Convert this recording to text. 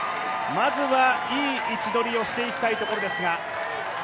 まずはいい位置取りをしていきたいところですが。